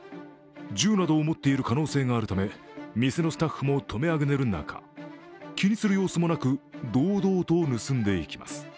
銃などを持っている可能性があるため店のスタッフも止めあぐねる中、気にする様子もなく堂々と盗んでいきます。